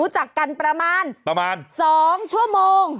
เพราะน้องเนี่ยรู้จักกันประมาณ๒ชั่วโมง